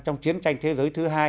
trong chiến tranh thế giới thứ hai